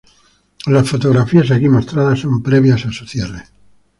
Las fotografías aquí mostradas son previas a su cierre.